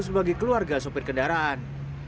sebagai keluarga sopir kendaraan